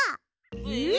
えっ！？